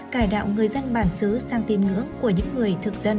cải đạo người dân bản xứ sang tin ngưỡng của những người